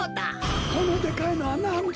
このでかいのはなんだ？